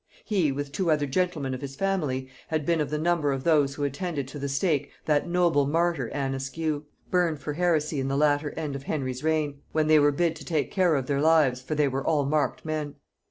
He, with two other gentlemen of his family, had been of the number of those who attended to the stake that noble martyr Anne Askew, burned for heresy in the latter end of Henry's reign; when they were bid to take care of their lives, for they were all marked men.